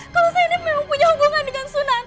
kalau saya ini memang punya hubungan dengan sunan